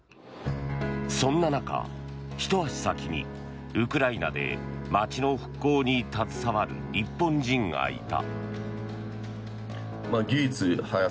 そんな中、ひと足先にウクライナで街の復興に携わる日本人がいた。